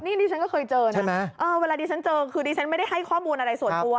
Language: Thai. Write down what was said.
นี่ดีเซ็นต์ก็เคยเจอนะว่าดีเซ็นต์เจอคือดีเซ็นต์ไม่ได้ให้ข้อมูลอะไรส่วนตัว